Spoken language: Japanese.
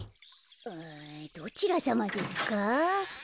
あどちらさまですか？